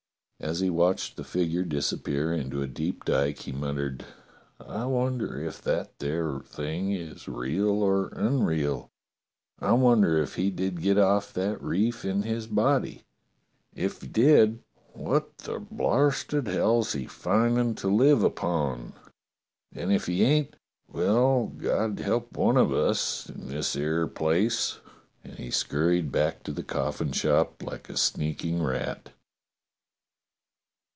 As he watched the figure disappear into a deep dyke he muttered: "I wonder if that there thing is real or unreal? I wonder if he did get off that reef in his body? If he did, what the blarsted hell's he findin' to live upon? and if he ain't — well, God help one of us in this 'ere place!" And he scurried back to the coffin shop like a sneaking rat.